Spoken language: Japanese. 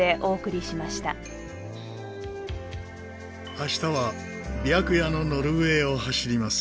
明日は白夜のノルウェーを走ります。